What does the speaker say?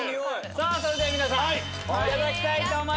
さあそれでは皆さんいただきたいと思います。